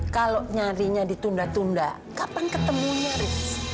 kalo nyarinya ditunda tunda kapan ketemunya haris